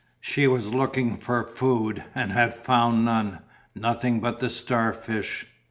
She was looking for food and had found none nothing but the star fish.